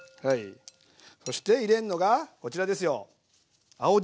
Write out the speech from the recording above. そして入れるのがこちらですよ青じそ。